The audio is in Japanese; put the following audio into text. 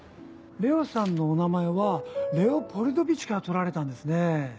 玲緒さんのお名前はレオポリドヴィチから取られたんですね